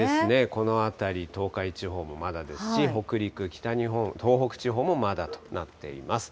この辺り、東海地方もまだですし、北陸、北日本、東北地方もまだとなっています。